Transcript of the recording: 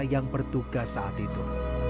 yang bertugas saat itu